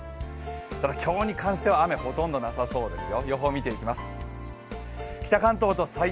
ただ今日に関しては雨ほとんどなさそうですよ